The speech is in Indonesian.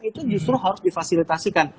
itu justru harus difasilitasikan